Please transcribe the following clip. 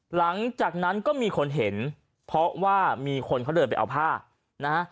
หลังจากนั้นก็มีคนเห็นเพราะว่ามีคนเขาเดินไปเอาผ้านะฮะ